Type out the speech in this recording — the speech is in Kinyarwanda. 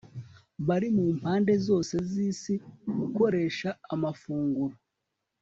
bari mu mpande zose zisi gukoresha amafunguro